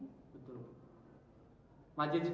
majid sekarang berada dalam tahanan polisi pak